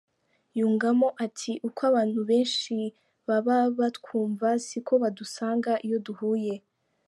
Yungamo ati “Uko abantu benshi baba batwumva siko badusanga iyo duhuye .